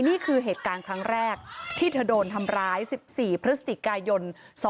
นี่คือเหตุการณ์ครั้งแรกที่เธอโดนทำร้าย๑๔พฤศจิกายน๒๕๖